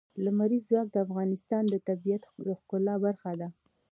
لمریز ځواک د افغانستان د طبیعت د ښکلا برخه ده.